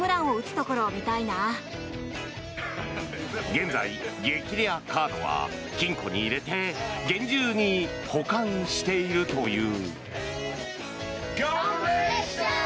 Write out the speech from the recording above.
現在、激レアカードは金庫に入れて厳重に保管しているという。